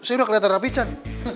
saya udah kelihatan rapican